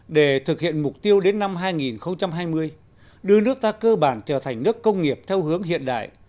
để thực hiện mục tiêu đến năm hai nghìn hai mươi đưa nước ta cơ bản trở thành nước công nghiệp theo hướng hiện đại